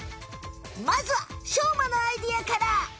まずはしょうまのアイデアから。